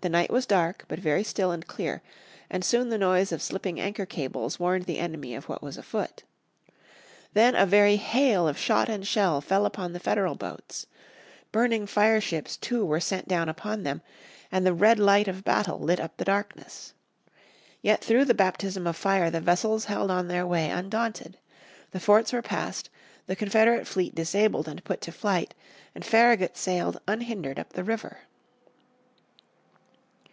The night was dark but very still and clear, and soon the noise of slipping anchor cables warned the enemy of what was afoot. Then a very hail of shot and shell fell upon the Federal boats. Burning fire ships too were sent down upon them, and the red light of battle lit up the darkness. Yet through the baptism of fire the vessels held on their way undaunted. The forts were passed, the Confederate fleet disabled and put to flight, and Farragut sailed unhindered up the river.